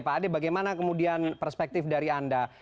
pak ade bagaimana kemudian perspektif dari anda